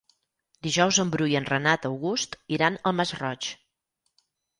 Dijous en Bru i en Renat August iran al Masroig.